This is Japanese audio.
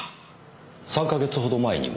３か月ほど前にも？